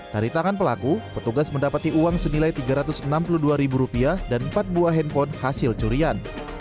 dari tangan pelaku petugas mendapati uang senilai rp tiga ratus enam puluh dua dan empat buah handphone hasil curian